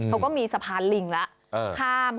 เขาก็มีสะพานลิงแล้ว